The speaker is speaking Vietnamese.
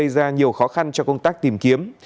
và nhiều khó khăn cho công tác tìm kiếm